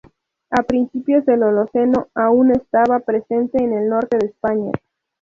A principios del Holoceno aún estaba presente en el norte de España.